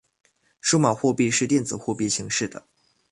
数码货币是电子货币形式的。